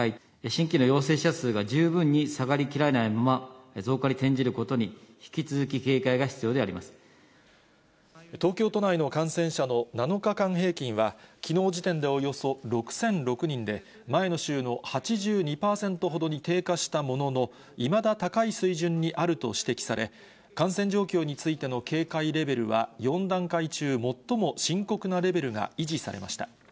新規の陽性者数が十分に下がりきらないまま増加に転じることに、東京都内の感染者の７日間平均は、きのう時点でおよそ６００６人で、前の週の８２％ほどに低下したものの、いまだ高い水準にあると指摘され、感染状況についての警戒レベルは、４段階中、最も深刻なレベルが維持されました。